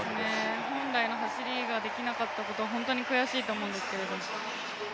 本来の走りができなかったこと、本当に悔しいと思うんですけど。